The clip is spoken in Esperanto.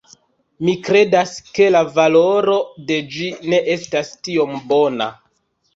Mi kredas, ke la valoro de ĝi ne estas tiom bona